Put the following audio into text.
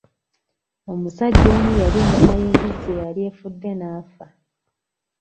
Omusajja omu yalya ennyama y'embizzi eyali efudde n'afa.